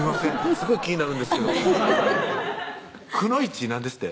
すごい気になるんですけどくのいち何ですって？